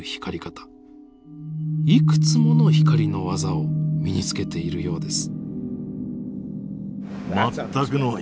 いくつもの光の技を身につけているようです。